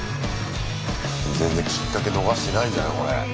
全然きっかけ逃してないんだよこれ。